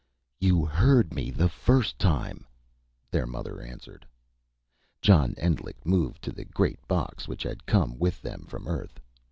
"You heard me the first time," their mother answered. John Endlich moved to the great box, which had come with them from Earth.